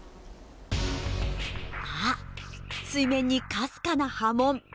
あっ水面にかすかな波紋。